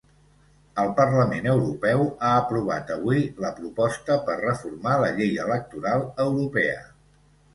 El parlament europeu ha aprovat avui la proposta per reformar la llei electoral europea.